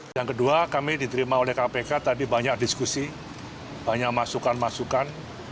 yang kedua kami diterima oleh kpk tadi banyak diskusi banyak masukan masukan